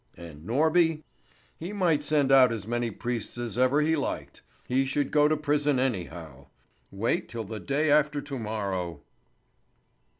And Norby? He might send out as many priests as ever he liked. He should go to prison anyhow. Wait till the day after to morrow!